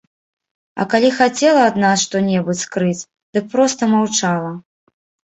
А калі хацела ад нас што-небудзь скрыць, дык проста маўчала.